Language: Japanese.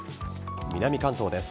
南関東です。